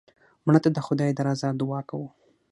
مړه ته د خدای د رضا دعا کوو